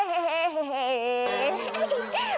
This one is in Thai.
โอ้มันมาแล้ว